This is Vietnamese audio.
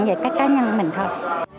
về cái cá nhân mình thôi